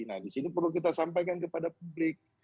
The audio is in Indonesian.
nah disini perlu kita sampaikan kepada publik